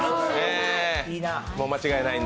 間違いないんだ。